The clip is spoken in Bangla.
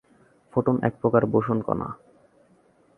ফোটন একপ্রকার বোসন কণা।